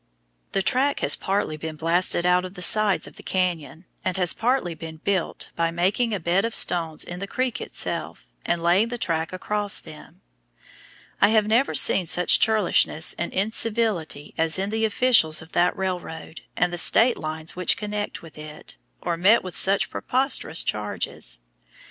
The track has partly been blasted out of the sides of the canyon, and has partly been "built" by making a bed of stones in the creek itself, and laying the track across them. I have never seen such churlishness and incivility as in the officials of that railroad and the state lines which connect with it, or met with such preposterous charges.